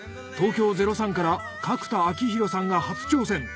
東京０３から角田晃広さんが初挑戦。